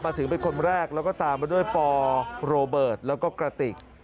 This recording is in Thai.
ถึงเป็นคนแรกแล้วก็ตามมาด้วยปอโรเบิร์ตแล้วก็กระติก